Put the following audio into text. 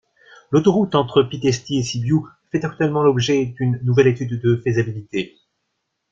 L'autoroute entre Pitești et Sibiu fait actuellement l'objet d'une nouvelle étude de faisabilité.